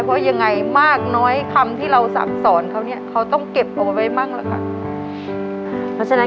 เพราะยังไงมากน้อยคำที่เราสั่งสอนเขาเนี่ยเขาต้องเก็บเอาไว้มั่งแล้วค่ะ